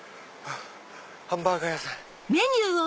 ハンバーガー屋さん。